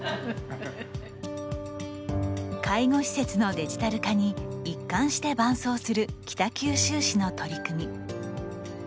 介護施設のデジタル化に一貫して伴走する北九州市の取り組み。